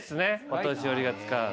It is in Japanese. お年寄りが使う。